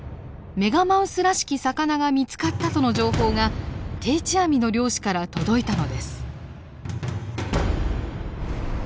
メガマウスらしき魚が見つかったとの情報が定置網の漁師から届いたのです。